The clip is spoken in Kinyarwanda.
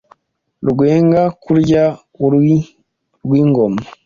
Rwenga kurya uri Rwingoma